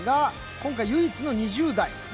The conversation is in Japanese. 今回、唯一の２０代。